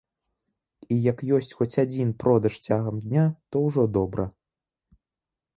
І як ёсць хоць адзін продаж цягам дня, то ўжо добра.